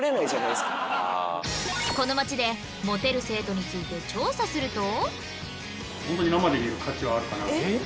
この街でモテる生徒について調査すると。